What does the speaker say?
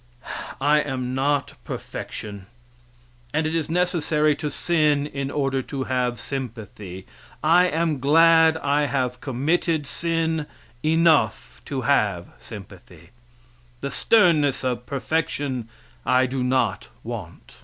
I am not perfection, and if it is necessary to sin in order to have sympathy, I am glad I have committed sin enough to have sympathy. The sternness of perfection I do not want.